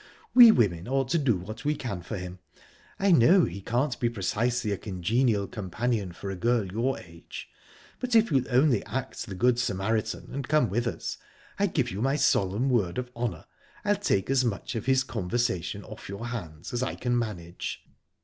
We women ought to do what we can for him. I know he can't be precisely a congenial companion for a girl your age, but if you'll only act the good Samaritan and come with us I give you my solemn word of honour I'll take as much of his conversation off your hands as I can manage."